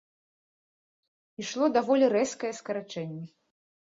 Ішло даволі рэзкае скарачэнне!